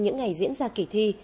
những ngày diễn ra kỳ thi